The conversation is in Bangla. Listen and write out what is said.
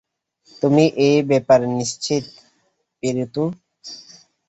তুমি এ ব্যাপারে নিশ্চিত, পেরিতো?